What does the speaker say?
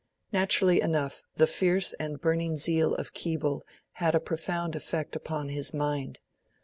Naturally enough the fierce and burning zeal of Keble had a profound effect upon his mind.